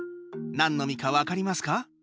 なんの実か分かりますか？